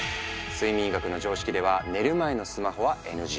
睡眠医学の常識では寝る前のスマホはＮＧ。